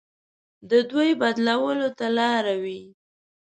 د دوی بدلولو ته لاره وي.